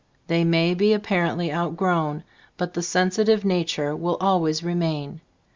"They may be apparently outgrown, but the sensitive nature will always remain.